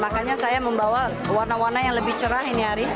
makanya saya membawa warna warna yang lebih cerah ini ari